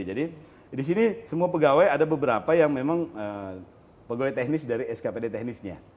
jadi di sini semua pegawai ada beberapa yang memang pegawai teknis dari skpd teknisnya